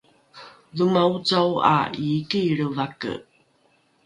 dhoma ocao ’a iiki lrevake